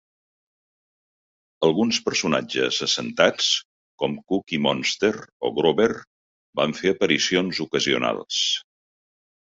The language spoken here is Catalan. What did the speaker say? Alguns personatges assentats com Cookie Monster o Grover van fer aparicions ocasionals.